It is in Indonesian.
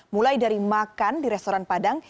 mulai dari makan di restoran padang